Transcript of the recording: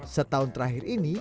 setahun terakhir ini